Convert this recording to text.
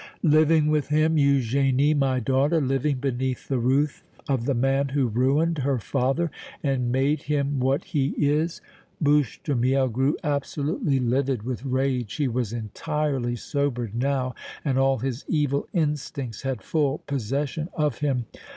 "Living with him Eugénie, my daughter, living beneath the roof of the man who ruined her father and made him what he is!" Bouche de Miel grew absolutely livid with rage; he was entirely sobered now and all his evil instincts had full possession of him.